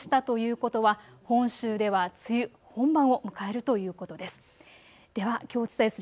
沖縄で梅雨明けしたということは本州では梅雨本番を迎えるということです。